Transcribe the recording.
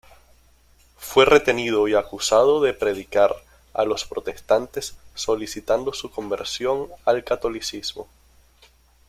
Fue retenido y acusado de predicar a los protestantes solicitando su conversión al catolicismo.